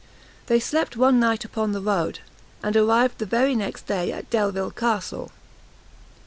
They slept one night upon the road, and arrived the next day at Delvile Castle.